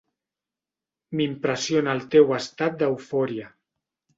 M'impressiona el teu estat d'eufòria.